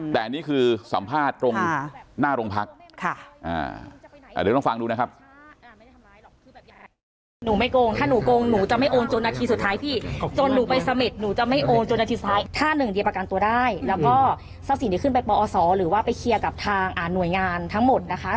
แต่นี่คือสัมภาษณ์ตรงหน้าโรงพักษ์